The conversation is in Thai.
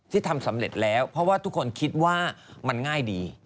ทำสำเร็จแล้วเพราะว่าทุกคนคิดว่ามันง่ายดี